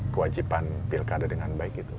kewajiban pilkade dengan baik gitu